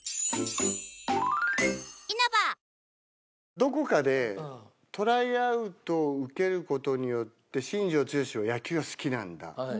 どこかでトライアウトを受ける事によって新庄剛志は野球が好きなんだ。